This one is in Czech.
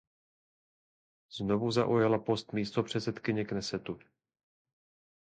Znovu zaujala post místopředsedkyně Knesetu.